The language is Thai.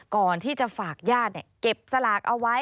ก่อนที่จะฝากญาติเก็บสลากเอาไว้